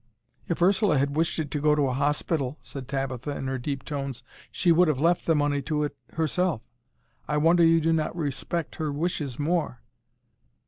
"If Ursula had wished it to go to a hospital," said Tabitha in her deep tones, "she would have left the money to it herself. I wonder you do not respect her wishes more."